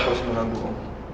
saya masih menanggung